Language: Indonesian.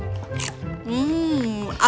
bagaimana lagi aku bisa mencicipi mereka